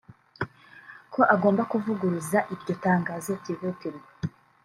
ko agomba kuvuguruza iryo tangazo byihutirwa